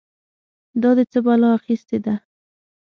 دا دې څه بلا اخيستې ده؟!